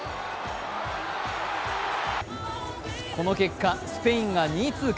この結果、スペインが２位通過。